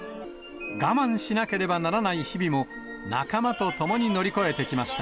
我慢しなければならない日々も、仲間と共に乗り越えてきました。